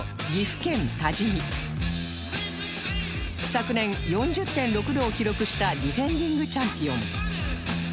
昨年 ４０．６ 度を記録したディフェンディングチャンピオン